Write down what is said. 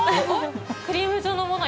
◆クリーム状のものを